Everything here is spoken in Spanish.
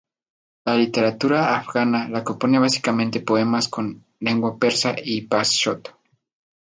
La literatura afgana la componen básicamente poemas en lengua persa y pashto.